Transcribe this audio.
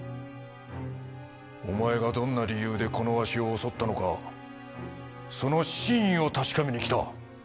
お前がどんな理由でこのワシを襲ったのかその真意を確かめに来た。